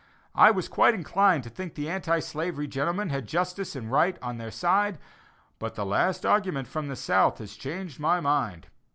I was quite inclined to think the anti slavery gentlemen had justice and right on their side, but the last argument from the South has changed my mind.